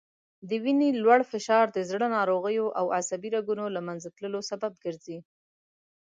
وینې لوړ فشار د زړه ناروغیو او عصبي رګونو له منځه تللو سبب ګرځي